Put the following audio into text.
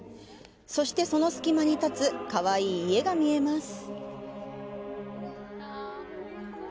そして、その隙間に建つかわいい家が見えます。